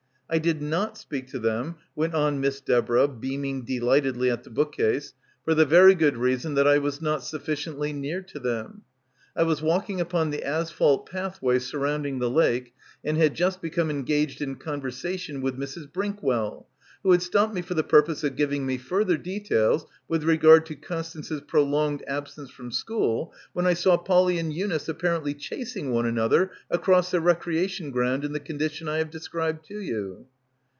"I did not speak to them," went on Miss De borah, beaming delightedly at the bookcase, "for — 99 — PILGRIMAGE the very good reason that I was not sufficiently near to them. I was walking upon the asphalt pathway surrounding the lake and had just be ^ come engaged in conversation with Mrs. Brink well, who had stopped me for the purpose of giving me further details with regard to Con stance's prolonged absence from school, when I saw Polly and Eunice apparently chasing one an other across the recreation ground in the condi tion I have described to you."